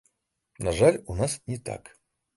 На жаль, у нас не так.